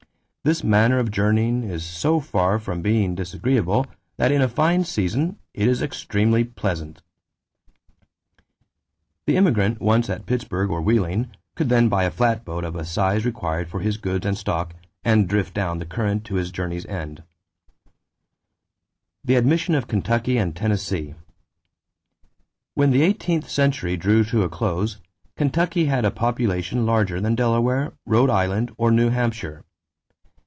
This manner of journeying is so far from being disagreeable that in a fine season it is extremely pleasant." The immigrant once at Pittsburgh or Wheeling could then buy a flatboat of a size required for his goods and stock, and drift down the current to his journey's end. [Illustration: ROADS AND TRAILS INTO THE WESTERN TERRITORY] =The Admission of Kentucky and Tennessee.= When the eighteenth century drew to a close, Kentucky had a population larger than Delaware, Rhode Island, or New Hampshire.